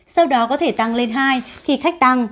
sau đó có thể tăng lên hai khi khách tăng